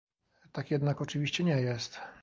Tak jednak oczywiście nie jest